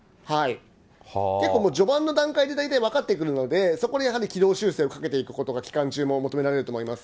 結構序盤の段階で大体分かってくるので、そこにやはり軌道修正をかけていくことが期間中も求められると思います。